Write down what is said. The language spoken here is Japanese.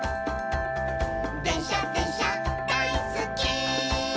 「でんしゃでんしゃだいすっき」